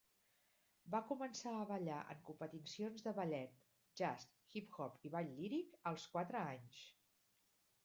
Va començar a ballar en competicions de ballet, jazz, hip hop i ball líric als quatre anys.